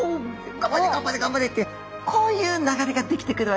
「頑張れ頑張れ頑張れ」ってこういう流れが出来てくるわけですね。